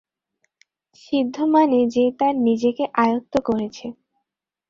সিদ্ধ মানে যে তার নিজেকে আয়ত্ত করেছে।